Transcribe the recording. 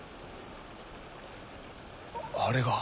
あれが。